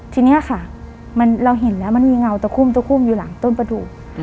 ทีนี้ค่ะเราเห็นแล้วมันมีเงาตะคุ่มตะคุ่มอยู่หลังต้นประดูก